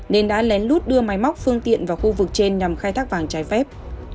nên đã lén lút đưa máy móc phương tiện vào khu vực trên nhằm khai thác vàng trái phép